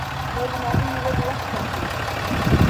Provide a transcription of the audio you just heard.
مور د ماشوم د لوبو وخت ټاکي.